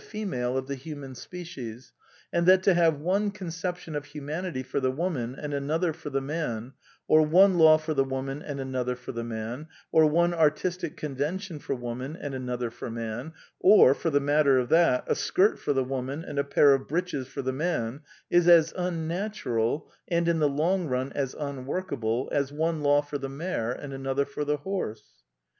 female of the human species, and that to have one con ception of humanity for the woman and another for the man, or one law for the woman and another for the man, or one artistic convention for woman and another for man, or, for the matter of that, a skirt for the woman and a pair of breeches for the man, is as unnatural, and in the long run as unworkable, as one law for the mare and another for the horse.